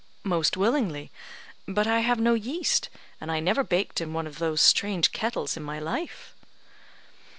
"Most willingly. But I have no yeast; and I never baked in one of those strange kettles in my life."